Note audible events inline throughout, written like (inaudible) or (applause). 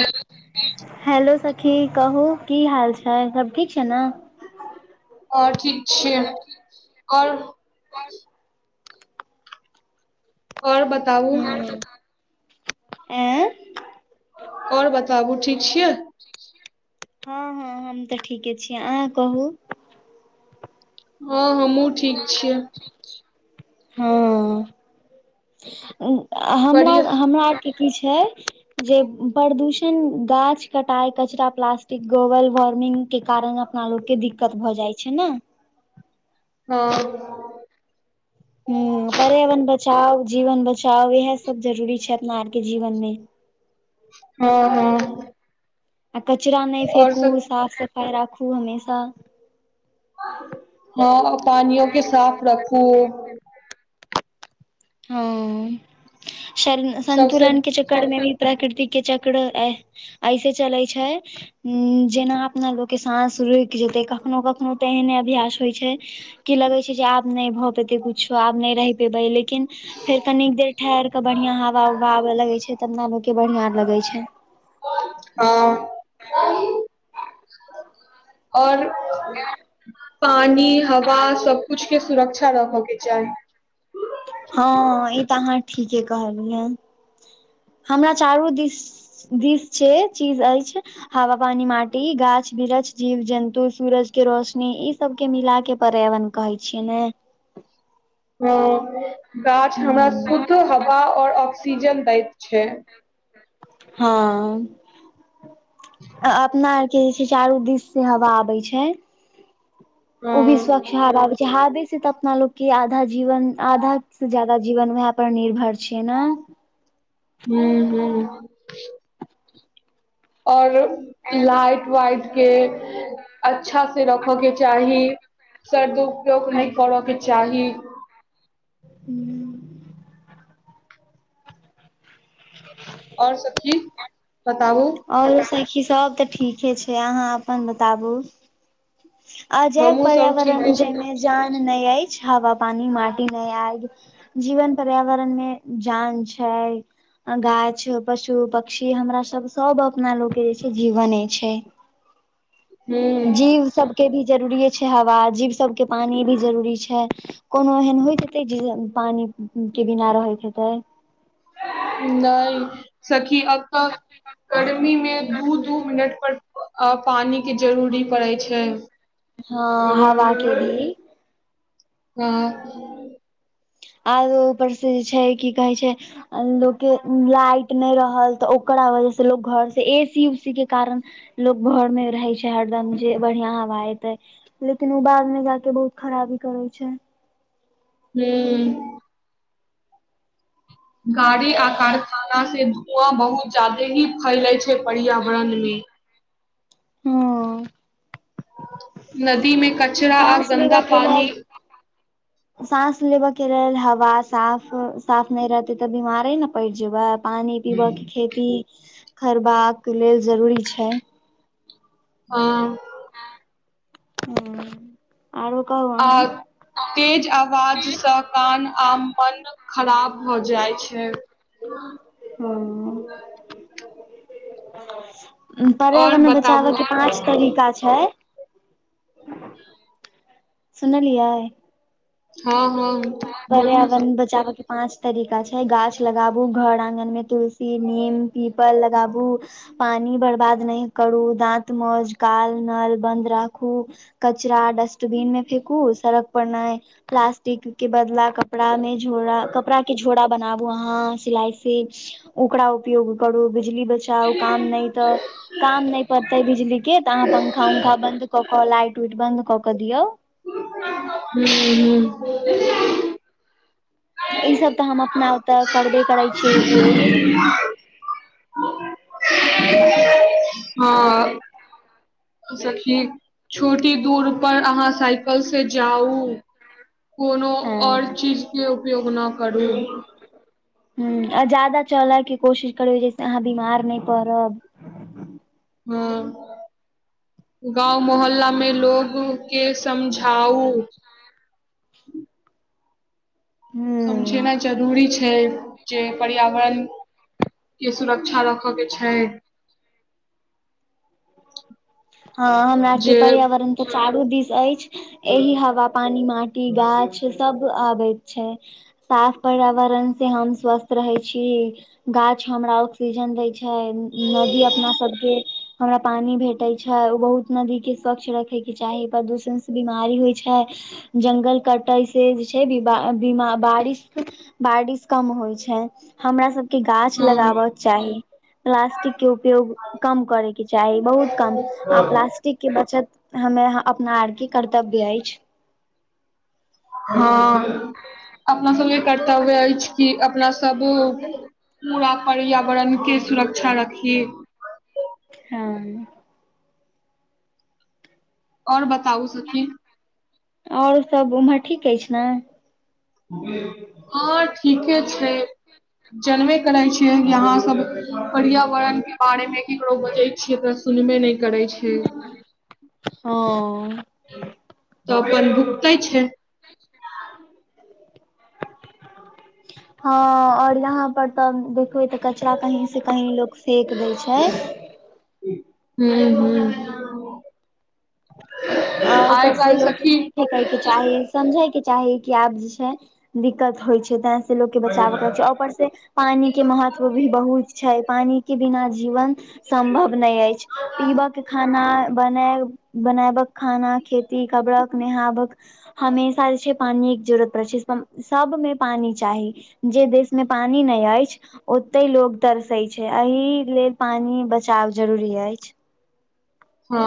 Hello सखी, hello सखी कहू की हाल छै सब ठीक छै नऽ हँ ठीक छियै क (inaudible) आओर बत हुँ ऐ आओर बताबू ठीक छियै हँ हँ हम तऽ ठीके छिये अहाँ कहू हँ हम हँ आ हमरा बढ़िया - हमरा आरके की छै जे प्रदूषण गाछ कटाय कचरा प्लास्टिक ग्लोबल वार्मिंग केँ कारण अपना लोक केँ दिक्कत भऽ जाइ छै नऽ हँ हुँ पर्यावरण बचाउ जीवन बचाउ इहै सब जरूरी छै अपना आरके जीवन मे हँ - हँ आ कचरा नय और फेकू सब साफ सफाई राखू हमेशा हँ पानियो केँ साफ रखू हँ सन सबसे संन्तुलन केँ चक्कर मे भी प्रकृतिक केँ चक्र आय ऐसे चलै छै उ जेना अपना लोक केँ साँस रुइक जेतै कखनो कखनो तऽ एहने अभ्यास होइ छै की लगे छै जे आब नय भऽ पेते कुछो आब नय रहि पेबै लेकिन फेर कनी देर ठहैर कऽ बढ़िया हवा उवा आबे लगे छै तब अपना लोको केँ बढ़िया लगे छै हँ आओर पानि हवा सबकुछ के सुरक्षा रहऽ के चाही हँ ई तऽ अहाँ ठीके कहलिया हमरा चारू दिस दिस छै चीज अछि हवा पानी माटी गाछ वीरछ जीव जन्तु सूरज के रोशनी इ सबके मिला के पर्यावरण कहै छियै ने हँ गाछ हमरा हूँ शुजो हवा आओर ऑक्सीजन दैत छै हँ अपना कहै छै चारू दिस से हवा आबै छै हँ ओ बी स्व (unintelligible) अपना लोक के आधा जीवन आधा से जादा जीवन व पर निर्भर छीयै न हूँ हूँ आओर लाइट वाइट के अच्छा से रखऽ के चाही सरदु उपयोग नै करऽ के चाही हूँ आओर सब की बताबू आओरो सखी सब तऽ ठीके छै अहाँ अपन बताबु अजय हमहुँ सब ठीके पर्यावरण छी जामे जान नै अछि हवा पानी माटी नै आएब जीवन पर्यावरण मे जान छाय गाछ पशु पक्षी हमरा सब सब अपना लोक के जे छै जीवने छै (inaudible) हूँ जीव सबके भी जरूरीए छै हवा जीव सबके पानि भी जरूरी छै कोनो एहन होय हतै जे पानि के बिना रहैत हेताय नई सखी अब तऽ गर्मी मे दू दू मिनट पर प अ पानी के जरूरी पड़ै छै हँ हवा के भी हँ आओ ऊपर से जे छै की कहै छै लोकके लाइट नै रहल तऽ ओकरा वजह से लोक घर से ए सी उसी के कारण लोक भर नै रहै छै हरदम जे बढ़ियां हवा एतै लेकिन ऊ बाद मे जाक बहुत खराबी करै छै हूँ गाड़ी आ कारखाना से धुआँ बहुत ज्यादे ही फैलैे छै पर्यावरण मे हँ नदी मे कचरा आ साँस लेबऽ गन्दा के पानी लेल साँस लेबऽ के लेल हवा साफ साफ नै रहतै तऽ बिमारे न पड़ि जेबाय पानी पीबऽ के खेती खरबाक लेल जरूरी छै हँ हूँ आरोकहु आ तेज आवाजसँ कान आ पन खराब भऽ जाइ छै हँ और पर्यावरण बताबू बचाबै के हँ पाँच तरीका छै सुनलिया हँ हँ बोलू ने पर्यावरण सखी बचाबय केँ पाँच तरीका छै गाछ लगाबू घर आंगन में तुलसी नीम पीपल लगाबू पाइन बर्बाद नै करू दाँत मज काल नल बन्द राखू कचरा डस्टबिन में फेेकू सड़क पड़ना प्लासस्टिक केँ बदला कपड़ा मे झोरा कपड़ा केँ झोरा बनाबू अहाँ सिलाइ से ओकरा उपयोग करू बिजली बचाउ काम नै तऽ काम नै पड़तै बिजली केँ तऽ अहाँ पंखा उंखा बंन्द कऽ कऽ लाइट उइट बद कऽ कऽ दियौ (unintelligible) ईसभ तऽ हम अपना ओ तऽ करबे करै छियै उपयोग (unintelligible) छोटी दूर पर अहाँ साइकिल स जाउ कोनो और हँ चीज केँ उपयोग ना करू ह आ जादा चलय केँ कोशिश करब जैसे अहाँ बीमार नै पड़ब ह (inaudible) गाँव मोहल्ला मे लोग केँ समझा आउ हूँ समझेना जरूरी छै जे पर्यावरण केँ सुरक्षा रख कऽ छै हँ हमरा आर केँ जे पर्यावरण केँ चारू दिस ऐछ एही हवा पानी माटी गाछ सब आबैत छै साफ पर्यावरण से हम स्वस्थ रहै छी गाछ हमरा ऑक्सीजन दै छै नदी अपना सब केँ हमरा पानी भेट भैटै छै ओ बहुत नदी केँ स्वच्छ रखे केँ चाही प्रदूषण से बीमारी होइ छै जंगल कटै से जे छै (unintelligible) बारिश बारिश कम होइ छै हमरा सब केँ गाछ अ लगाब चाही प्लास्टिक केँ उपयोग कम करे केँ चाही बहुत कम आ प्लास्टिक केँ बचत हमे अपना आर की कर्तव्य अछि हँ (inaudible) अपना सब लेल कर्तव्य ऐछ कि अपना सब पूरा पर्यावरण केँ सुरक्षा रखी हँ और बताउ सखी और सब उम्हर ठीक ऐछ न हँ ठीके छै जनबे करै छियै कि अहाँ सब पर्यावरण केँ बारे मे ककरो बजै छियै तऽ सुनबे नै करै छै (inaudible) हँ तऽ अपन भुकते छै (unintelligible) ह और यहाँ पर तऽ देखबै तऽ कचरा कही से कही लोग फेक देय छै (unintelligible) आ आइ ऊपरस काल्हि लोक सखी नै करय केँ चाही समझै केँ चाही कि आब जे छै दिक्कत होइ छै ते से लोक केँ बचाव करै छै ऊपर से पानी केँ महत्व भी बहुत छै पानी केँ बिना जीवन सम्भव नै ऐछ पीबय केँ खाना बनायब बेनायबक खाना खेती कबड़क नेहाबक हमेशा जे छै पानिये जरूरत पड़ छै सबमे पानि चाही जे देश मे पानि नै अछि ओतैे लोग तरसै छै एहि लेल पानी बचाव जरूरी अछि हँ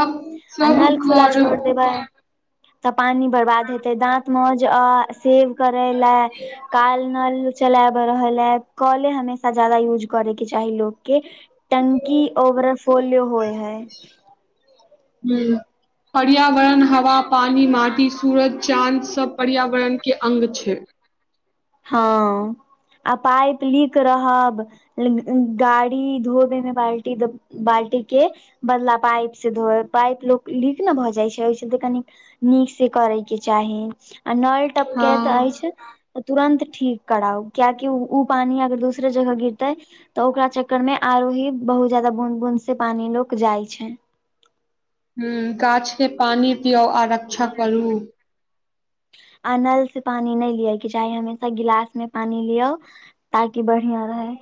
अब सब घर ब (unintelligible) तऽ पानि बर्बाद हेतै दाँत मे मौज अ सेब करैला काल नल चलाब रहल या कले हमेशा जदा यूज करै के चाही लोक के टंकी ओवरय फुलयो होए है हूँ पर्यावरण हवा पानी माटी सूरज चाँद सब पर्यावरण के अंग छै हँ आ पाइप लीक रहब डाड़ी धोबे मे बाल्टी द बाल्टी के बदला पाइप से धोयब पाइप लोक लीक न भऽ जाइ छै ओईस त कनि नीक से करयके चाही आ नल हँ टपकेत अछि तुरन्त ठीक कराउ कियाक उ पानि अगर दूसरे जगह गिरतै तऽ ओकरा चक्कर मे आरो ही बहुत जादा बूंद बूंद से पानी लोक जाइ छै हूँ गाछके पानि पियउ आ रक्षा करू आ अनल से पानि नै लिय के चाही हमेशा गिलास मे पानि लियऔ ताकि बढ़िया रहै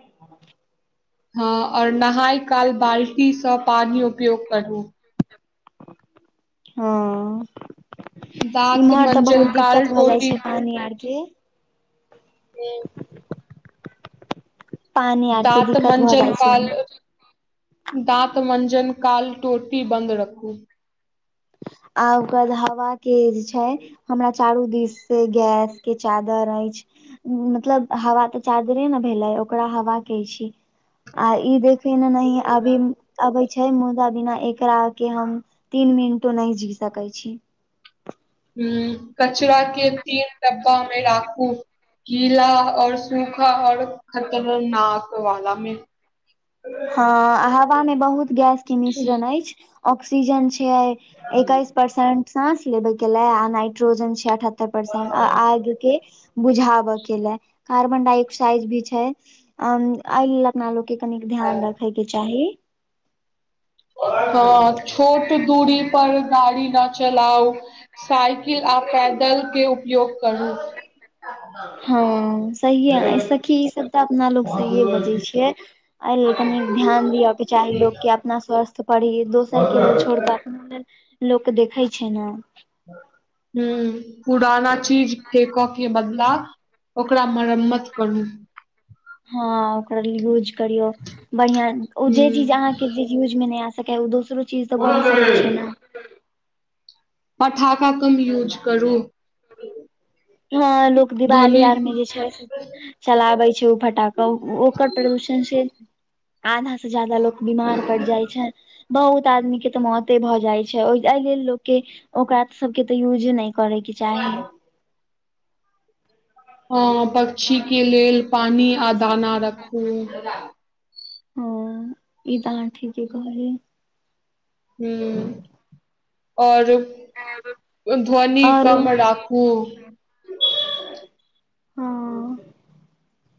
हँ आओर नहाय काल बाल्टीसँ पानी उपयोग करू हँ दाँत इम्हर तऽ मंजन बहुत काल दिक्कत भऽ जाइ टोटी छै पानी आर के हूँ पानी आर के दाँत दिक्कत भऽ मञ्जन जाइ काल छै दाँत मञ्जन काल टोटी बन्द रखू आ ओकर हवा के जे छाय हमरा चारू दिस से गैस के चादर अछि मतलब हवा तऽ चादरे न भेलाय ओकरा हवा कहै छी आ ई देखिन एनाहिये अबी अबै छै मुदा बिना एकरा के हम तीन मिनतो नहि जी सकै छी हूँ कचरा के तीन डब्बा मे राखू कीला आओर सूखा आओर खतरनाक वाला मे हँ हवा मे बहुत गैस के मिश्रण अछि ऑक्सीजन छै एकैस परसेंट सास लेबे के ले आ नाइट्रोजन छै अठहत्तर परसेंट आग के बुझाबय के लय कार्बन डाइऑक्साइड भी छै अ एई लेल अपना लोग के कनि ध्यान रखैके चाही हँ छोट दूरी पर डाड़ी न चलाउ साइकिल आ पैदल के उपयोग करू हँ हूं सहिए सखी ई सब तऽ अपना लोग सहिए बजै छै ऐ लेल कनी ध्यान दियअ के चाही लोग के अपना स्वस्थ परई दोसर के लेल छोड़ कऽ अपना लेल लोक देखै छै न हूँ पुराना चीज फेकऽ के बदला ओकरा मरम्मत करू हँ ओकरा ले यूज करियौ बढ़िया ओ जे चीज हूं अहाँके यूज मे नै आ सकै हए ओ दोसरो चीज तऽ बैन सकै छै न पठखा कम यूज करू। हँ लोक दिवाली ध्वनि आरमे जे छै। चलाबै छै ओ फटााकऽ ओकर प्रदूषण से आधा से जादा लो। बीमार पड़ जाइ छै। बहुत आदमी के तऽ मौते भऽ जाय छै एहि लेल लोक के ओकरा सब के ते यूज नहि। करैके चाही। ह पक्षी के लेल पानी आ दाना राखू। ह ई त आठिके कहल। ह आओर। ध्वन आओर कम राखू। हँ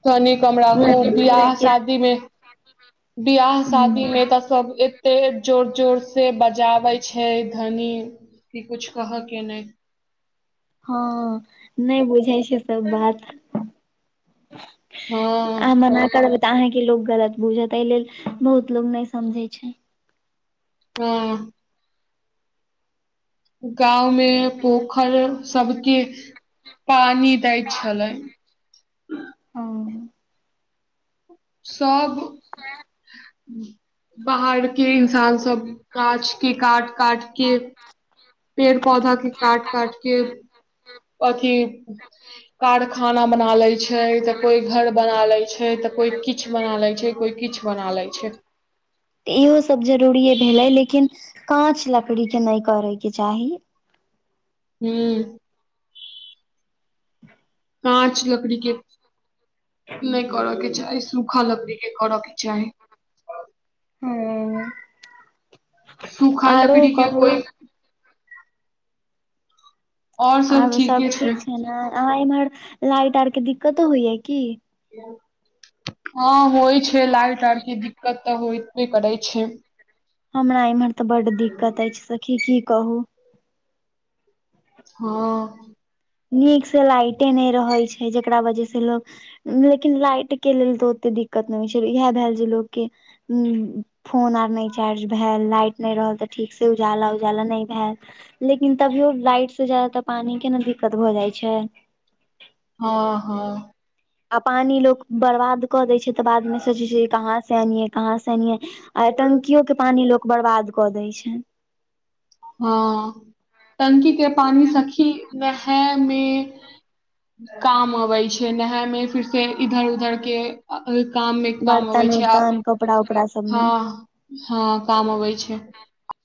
धनी कमराा खू धीरे बियाह के शादी मे। बिआाह शादी ह मे तऽ सब। ते जोर जोर से बजाबै छै धनी क कुछ कहय के ने। (inaudible) हँ नहि बुझै छै सब बात। हँ अहाँ मना करबै तऽ अहाँके लोकोग गलत बुझत एहि लेल बहुत लोग नहि समझे छै। हँ। गांव मे पोखरि सबके पानी दय छलै। ह। सब बाहर के इन्सान सब। काच के काट काट के। पेड़ पौधा के काट काट के अथिी। कारखाना बना ले छै तऽ कोइ घर बना ले छै तऽ कोइ किछु बना ले छै। कोइ किछु बना लै छै। तऽ इहो सब जरूरिे भेलै लेकिन काँच लकड़ी के नहि करयके चाही। हू। काँच लकड़ी के नहि करऽ के चाही सूखा लकड़ी। को रखी च। हँ सूखा आरु लकड़ी के कोइ कहब। आरो सब ठीक छै ने आ इम्हर लाइट आर के दिक्कतो होइया की। हँ होइ छै लाइट आर के दिक्कत तऽ होयबे करै छै। हमरा इम्हर तऽ बड्ड दिक्कत अछि सखी की कहू। हँ। नीक से लाइटे नहि रहै छै जेकरा वजह से लोकोग। लेकिन लाइट के लेल तऽ ओते दिक्कत नहि होइत छै इएह भेल जे लोकके ह। फोन आर नहि चार्ज भेल लाइट नहि रहल तऽ ठीक से उजाला उजाला नहि भेल। लेकिन तभियो लाइट से जाद तऽ पानी के ने दिक्कत भऽ जाइ छै। हँ हँ। आ पानी लो बर्बाद क दे छै तऽ बाद में सोचे छै कहा से आानिय। कहाँ सनिे आटंकियो के पानी लोक बर्बाद कऽ दय छै। हँ टंकी के पानी सखी नै मे। काम अबै छै नहााय मे फिर से इधर उधर के। काम मे काम होबै बर्तन छै आ उर्तन कपड़ा उपड़ा सबमे हँ। हँ काम अबै छै।